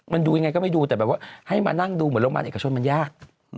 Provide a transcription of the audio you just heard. มันดูยังไงก็ไม่ดูแต่แบบว่าให้มานั่งดูเหมือนโรงพยาบาลเอกชนมันยาก